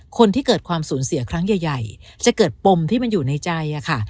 คนที่เกิดความสูญเสียครั้งใหญ่จะเกิดปมที่มันอยู่ในใจค่ะ